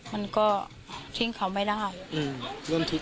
มันก็ทิ้งเขาไม่ได้อืม